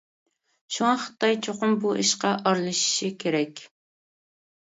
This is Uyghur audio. شۇڭا خىتاي چوقۇم بۇ ئىشقا ئارىلىشىشى كېرەك.